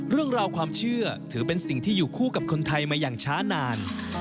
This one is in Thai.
เรื่องราวความเชื่อถือเป็นสิ่งที่อยู่คู่กับคนไทยมาอย่างช้านาน